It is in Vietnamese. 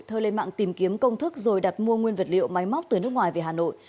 thơ lên mạng tìm kiếm công thức rồi đặt mua nguyên vật liệu máy móc từ nước ngoài về hà nội